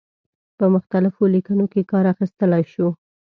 په مختلفو لیکنو کې کار اخیستلای شو.